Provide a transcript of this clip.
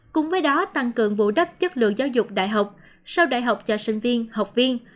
cùng với đó tăng cường bù đắp chất lượng giáo dục đại học sau đại học cho sinh viên học viên